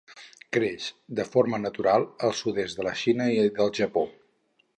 Creix de forma natural al sud-est de la Xina i del Japó.